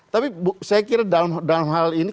tapi saya kira dalam hal ini